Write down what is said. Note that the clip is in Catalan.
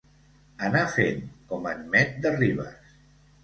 Anar fent, com en Met de Ribes.